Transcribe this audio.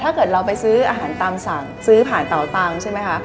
ถ้าเกิดเราไปซื้ออาหารตามสั่งซื้อผ่านเตาตังค์ใช่ไหมคะ